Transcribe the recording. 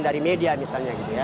dari media misalnya